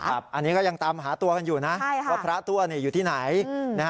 อันนี้ก็ยังตามหาตัวกันอยู่นะว่าพระตัวอยู่ที่ไหน